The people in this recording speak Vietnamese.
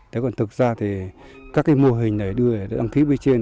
thế còn thực ra thì các cái mô hình này đưa để đăng ký phía trên